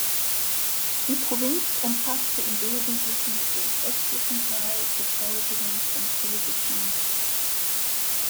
Die Provinz umfasste im Wesentlichen den östlichen Teil des heutigen franz.